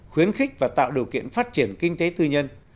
khuyến khích và tạo điều kiện phát triển kinh tế tư nhân